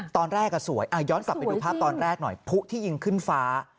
ตอนแรกสวยย้อนกลับไปดูภาพตอนแรกหน่อยผู้ที่ยิงขึ้นฟ้า